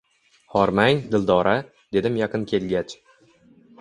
Hormang, Dildora, – dedim yaqin kelgach.